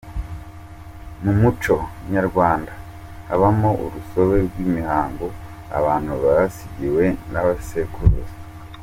Mu muco Nyarwanda habamo urusobe rw’imihango abantu basigiwe na basekuruza.